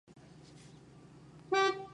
Tiene una corta costa en el Mar Adriático.